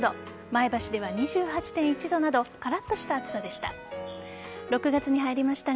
前橋では２８．１度などカラッとした暑さでした。